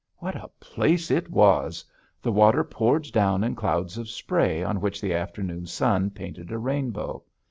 What a place it was! The water poured down in clouds of spray on which the afternoon sun painted a rainbow.